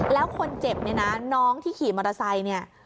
แล้วคนเจ็บเนี่ยนะน้องที่ขี่มอเตอร์ไซค์เนี่ย